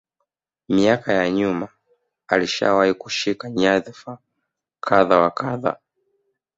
Miaka ya nyuma alishawahi kushika nyandhifa kadha wa kadha